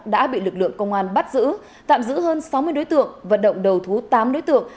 đã bị lực lượng công an bắt giữ tạm giữ hơn sáu mươi đối tượng vận động đầu thú tám đối tượng